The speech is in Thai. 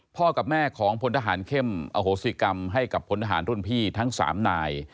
กับแม่ของพลทหารเข้มอโหสิกรรมให้กับพลทหารรุ่นพี่ทั้ง๓นาย